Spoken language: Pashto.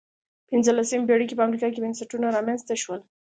پنځلسمې پېړۍ کې په امریکا کې بنسټونه رامنځته شول.